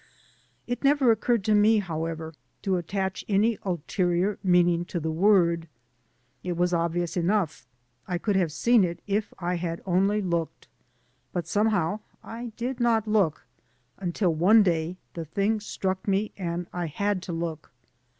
It never occurred to me, however, to attach any ulterior meaning to the word. It was obvious enough; I could have seen it if I had only looked. But somehow I did not look — ^until one day the thing struck me and I had to look.